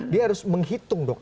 dia harus menghitung dong